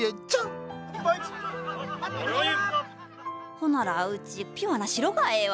ほならうちピュアな白がええわ。